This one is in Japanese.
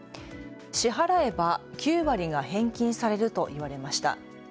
支払えば９割が返金されると言われました。